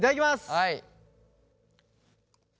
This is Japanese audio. はい。